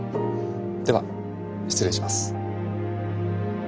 では失礼します。